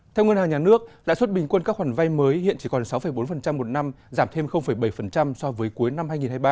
theo ngân hàng nhà nước lãi suất bình quân các khoản vay mới hiện chỉ còn sáu bốn một năm giảm thêm bảy so với cuối năm hai nghìn hai mươi ba